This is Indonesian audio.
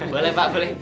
boleh pak boleh